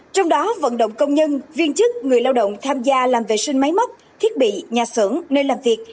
trong đó vận động công nhân viên chức người lao động tham gia làm vệ sinh máy móc thiết bị nhà xưởng nơi làm việc